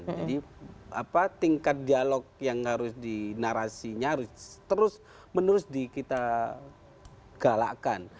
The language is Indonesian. jadi apa tingkat dialog yang harus dinarasinya harus terus menerus di kita galakkan